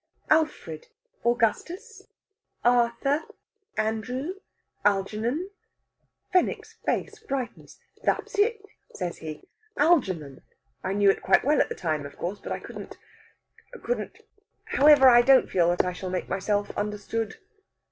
"Alfred, Augustus, Arthur, Andrew, Algernon " Fenwick's face brightens. "That's it!" says he. "Algernon. I knew it quite well all the time, of course. But I couldn't couldn't.... However, I don't feel that I shall make myself understood."